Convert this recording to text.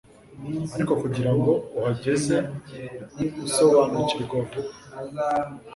ariko kugirango uhageze uzasobanukirwa vuba